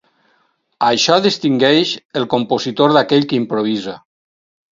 Això distingeix el compositor d'aquell que improvisa.